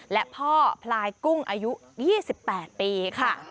และพ่อพลายกุ้งอายุ๒๘ปีค่ะ